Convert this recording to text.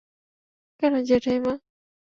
কেন, জ্যাঠাইমা?